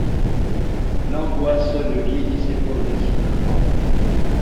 L'angoisse le vieillissait progressivement.